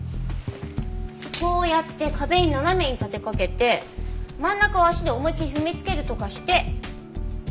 こうやって壁に斜めに立てかけて真ん中を足で思い切り踏みつけるとかして。